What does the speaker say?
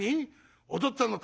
『お父っつぁんの顔